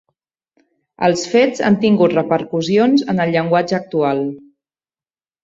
Els fets han tingut repercussions en el llenguatge actual.